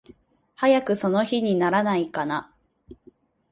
早くその日にならないかな。